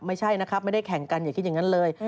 ไม่ใช่นะครับไม่ได้แข่งกันอย่าคิดอย่างนั้นเลย